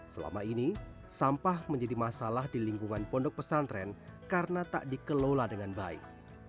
selama ini sampah menjadi masalah di lingkungan pondok pesantren karena tak dikelola dengan baik